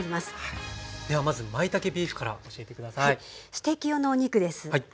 ステーキ用のお肉です。